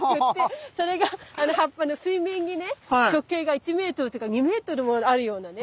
それがあの葉っぱの水面にね直径が１ｍとか２ｍもあるようなね。